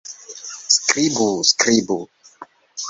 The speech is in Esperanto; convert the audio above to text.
Skribu! Skribu!